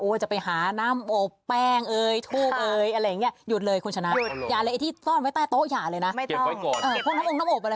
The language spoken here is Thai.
โอ๊ยจะไปหาน้ำอบแป้งเอ้ยทูปเอ้ยอะไรอย่างนี้